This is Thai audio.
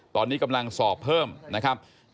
ตอนนี้กำลังสอบเพิ่มนะครับ